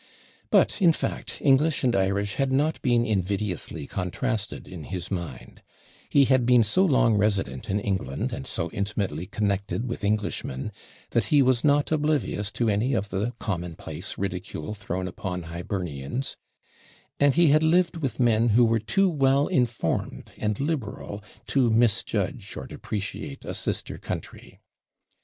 But, in fact, English and Irish had not been invidiously contrasted in his mind: he had been so long resident in England, and so intimately connected with Englishmen, that he was not oblivious to any of the commonplace ridicule thrown upon Hibernians; and he had lived with men who were too well informed and liberal to misjudge or depreciate a sister country.